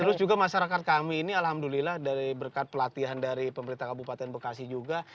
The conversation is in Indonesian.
terus juga masyarakat kami ini alhamdulillah dari berkat pelatihan dari pemerintah kabupaten bekasi juga